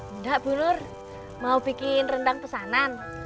hendak bu nur mau bikin rendang pesanan